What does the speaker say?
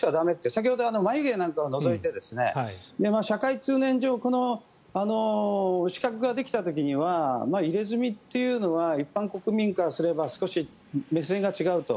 先ほどの眉毛なんかを除いて社会通念上、資格ができた時には入れ墨っていうのは一般国民からすれば少し目線が違うと。